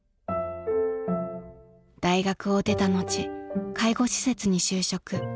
［大学を出た後介護施設に就職］